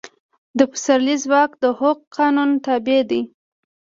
د پسرلي ځواک د هوک قانون تابع دی.